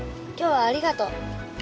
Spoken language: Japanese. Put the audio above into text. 今日はありがとう。